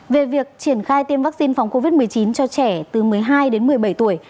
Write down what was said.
về việc triển khai tiêm vaccine phòng covid một mươi chín cho trẻ từ một mươi hai đến một mươi bảy tuổi